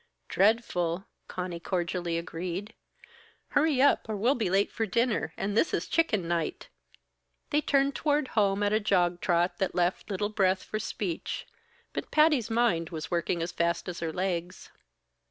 "Dreadful!" Conny cordially agreed. "Hurry up! Or we'll be late for dinner, and this is chicken night." They turned homeward at a jog trot that left little breath for speech; but Patty's mind was working as fast as her legs.